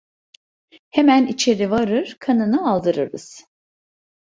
Hemen içeri varır, kanını aldırırız.